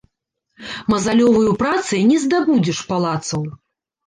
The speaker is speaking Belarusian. Мазалёваю працай не здабудзеш палацаў